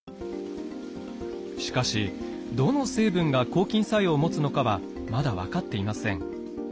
しかしどの成分が抗菌作用を持つのかはまだ分かっていません。